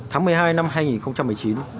tháng một mươi hai năm hai nghìn một mươi chín